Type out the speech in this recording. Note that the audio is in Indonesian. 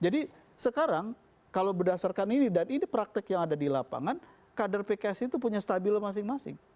jadi sekarang kalau berdasarkan ini dan ini praktek yang ada di lapangan kader pks itu punya stabilo masing masing